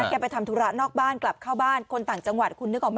แกไปทำธุระนอกบ้านกลับเข้าบ้านคนต่างจังหวัดคุณนึกออกไหม